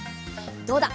どうだ？